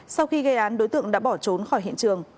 sau khi gây án đối tượng đã bỏ trốn khỏi hiện trường